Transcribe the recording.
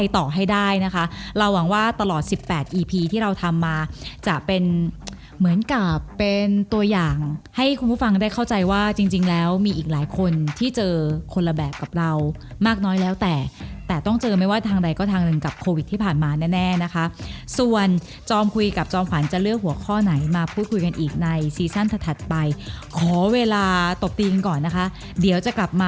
ถ้ามันเป็นตึกที่หรือว่าเป็นโรงแรมเดี๋ยว